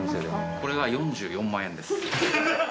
これが４４万円です。